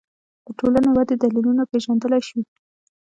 د ټولنې ودې دلیلونه پېژندلی شو